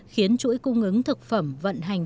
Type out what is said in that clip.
khiến chuỗi cung ứng thực phẩm vận hành